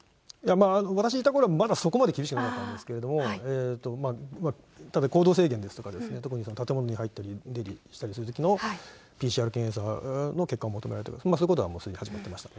私のいたところはまだそこまで厳しくなかったんですけれども、行動制限ですとか、特に建物に入ったり、出入りするときのＰＣＲ検査の結果を求めている、そういうことはすでに始まっていましたね。